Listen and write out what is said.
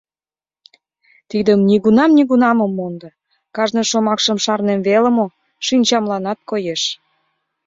Тидым нигунам-нигунам ом мондо, кажне шомакшым шарнем веле мо — шинчамланат коеш...